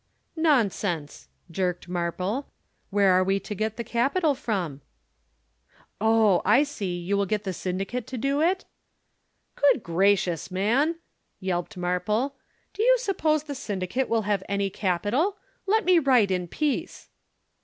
"'"Nonsense," jerked Marple. "Where are we to get the capital from?" "'"Oh, I see you will get the syndicate to do it?" "'"Good gracious, man!" yelped Marple. "Do you suppose the syndicate will have any capital? Let me write in peace."